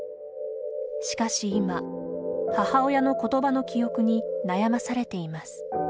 しかし今、母親の言葉の記憶に悩まされています。